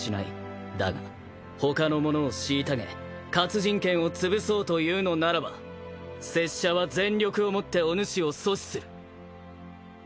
だが他の者を虐げ活人剣をつぶそうというのならば拙者は全力をもっておぬしを阻止する。